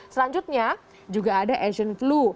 selanjutnya juga ada asian flu